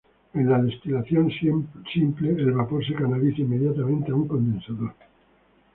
En la destilación simple, el vapor se canaliza inmediatamente a un condensador.